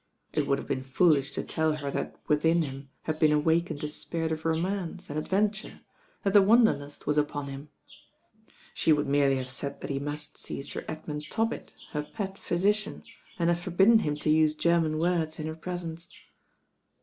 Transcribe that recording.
It would have been foolish to tell her that within him had been awakened a spirit of romance and ad venture, that the wanderlust was upon him. She would merely have said that he must see Sir Edmund Tobbitt, her pet physician, and have for bidden him to use German words in her presence.